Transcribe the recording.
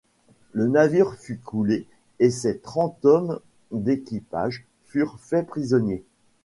Le navire fut coulé et ses trente hommes d'équipage furent faits prisonniers.